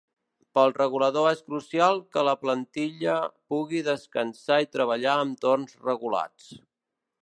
Pel regulador és crucial que la plantilla pugui descansar i treballar amb torns regulats.